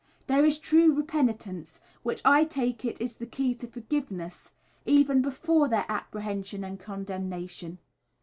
There is true repentance, which I take it is the key to forgiveness, even before their apprehension and condemnation.